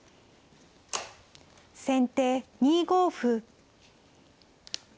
先手２五歩。